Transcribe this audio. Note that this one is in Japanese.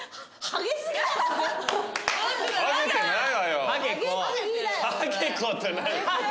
はい。